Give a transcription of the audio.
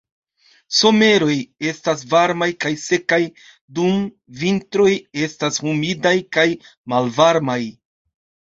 Someroj estas varmaj kaj sekaj, dum vintroj estas humidaj kaj malvarmaj.